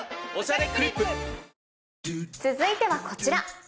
続いてはこちら。